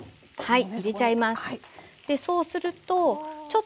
はい。